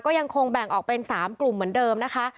ก็ยังคงแบ่งออกเป็น๓กลุ่มเหมือนเดิมนะคะ